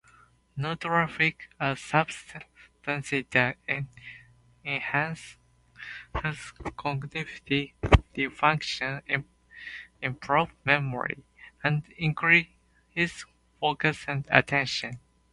Nootropics are substances that enhance cognitive function, improve memory, and increase focus and attention.